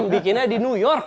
bikinnya di new york